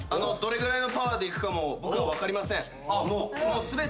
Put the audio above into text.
どれぐらいのパワーでいくかも僕は分かりません。